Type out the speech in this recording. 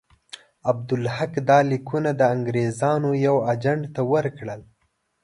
عبدالحق دا لیکونه د انګرېزانو یوه اجنټ ته ورکړل.